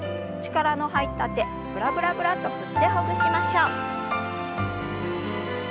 力の入った手ブラブラブラッと振ってほぐしましょう。